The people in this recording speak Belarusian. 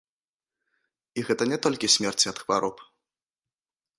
І гэта не толькі смерці ад хвароб.